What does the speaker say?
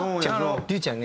龍ちゃんね